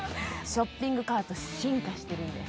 ショッピングカート進化してるんです